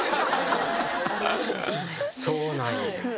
そうなんや。